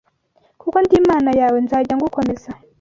kuko ndi Imana yawe; nzajya ngukomeza